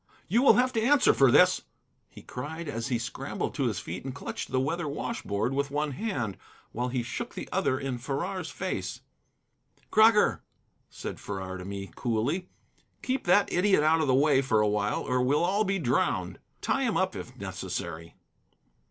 "You will have to answer for this," he cried, as he scrambled to his feet and clutched the weather wash board with one hand, while he shook the other in Farrar's face. "Crocker," said Farrar to me, coolly, "keep that idiot out of the way for a while, or we'll all be drowned. Tie him up, if necessary."